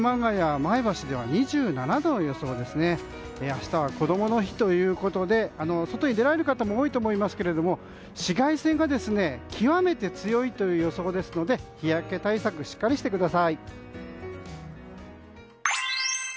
明日は、こどもの日ということで外に出られる方も多いと思いますが紫外線が極めて強いという予想ですので、日焼け対策しっかりしてください。